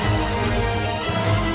tidak ada yang bisa dihukum